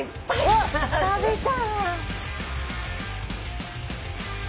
おっ食べた！